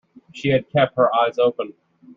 She had kept her eyes open.